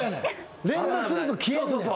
連打すると消えんねん。